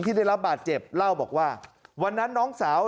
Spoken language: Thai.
ได้รับบาดเจ็บเล่าบอกว่าวันนั้นน้องสาว